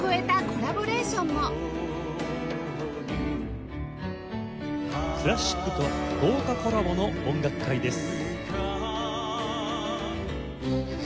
「クラシックと豪華コラボの音楽会」です。